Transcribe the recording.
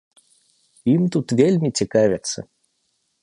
Ім тут вельмі цікавяцца.